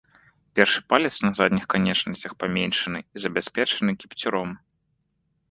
Першы палец на задніх канечнасцях паменшаны і забяспечаны кіпцюром.